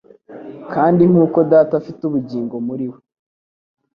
"Kandi nkuko Data afite ubugingo muri we,,